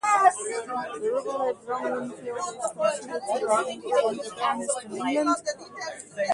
The Ribblehead drumlin field is considered to be one of the finest in England.